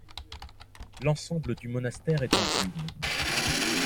L'ensemble du monastère est en ruine.